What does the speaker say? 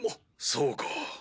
そうか。